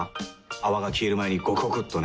泡が消える前にゴクゴクっとね。